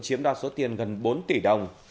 chiếm đoạt số tiền gần bốn tỷ đồng